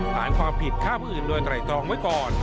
หารความผิดข้ามอื่นโดยไตรกรองไว้ก่อน